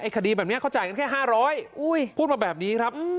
คดีแบบนี้เขาจ่ายกันแค่๕๐๐พูดมาแบบนี้ครับ